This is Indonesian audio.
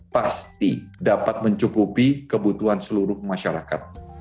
pasti dapat mencukupi kebutuhan seluruh masyarakat